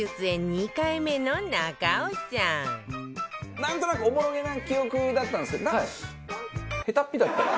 なんとなくおぼろげな記憶だったんですけど下手っぴだった。